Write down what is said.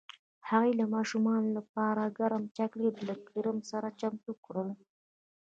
هغې د ماشومانو لپاره ګرم چاکلیټ له کریم سره چمتو کړل